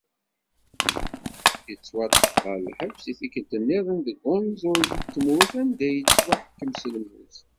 Yettwaṭṭef ɣer lḥebs i tikkelt-nniden deg unẓul n tmurt anda i yettwaḥkem s lmut.